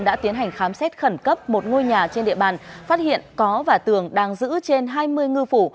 đã tiến hành khám xét khẩn cấp một ngôi nhà trên địa bàn phát hiện có và tường đang giữ trên hai mươi ngư phủ